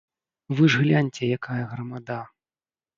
Вы ж гляньце, якая грамада.